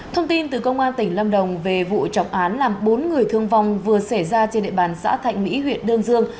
thông tin từ công an tỉnh lâm đồng về vụ trọng án làm bốn người thương vong vừa xảy ra trên địa bàn xã thạnh mỹ huyện đơn dương